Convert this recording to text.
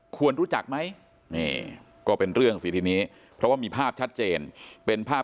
ควรรู้จักไหมนี่ก็เป็นเรื่องสิทีนี้เพราะว่ามีภาพชัดเจนเป็นภาพ